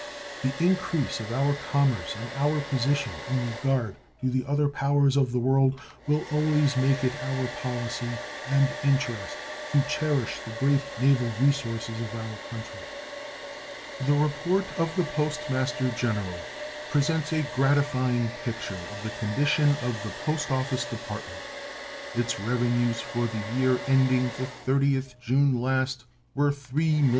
The increase of our commerce and our position in regard to the other powers of the world will always make it our policy and interest to cherish the great naval resources of our country. The report of the Post Master General presents a gratifying picture of the condition of the Post Office Department. Its revenues for the year ending the 30th June last were $3,398,455.